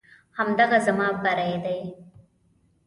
همدغه زما بری دی.